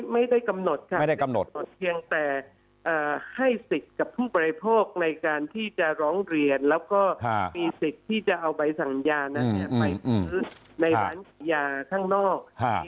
ไม่ได้กำหนดค่ะไม่ได้กำหนดเพียงแต่ให้สิทธิ์กับผู้บริโภคในการที่จะร้องเรียนแล้วก็มีสิทธิ์ที่จะเอาใบสั่งยานั้นไปซื้อในร้านยาข้างนอก